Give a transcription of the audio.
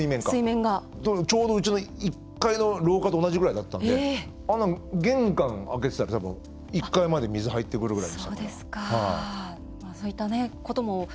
ちょうど、うちの１階の廊下と同じぐらいだったので玄関開けてたら１階まで水入ってくるぐらいだったので。